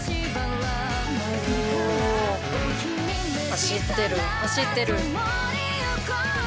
走ってる走ってる。